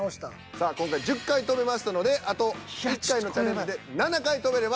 さあ今回１０回跳べましたのであと１回のチャレンジで７回跳べれば。